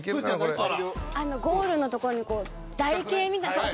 ゴールのところに台形みたいな。